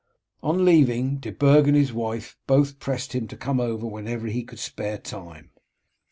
On leaving, De Burg and his wife both pressed him to come over whenever he could spare time.